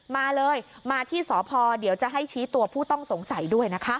มาเลยมาที่สพเดี๋ยวจะให้ชี้ตัวผู้ต้องสงสัยด้วยนะคะ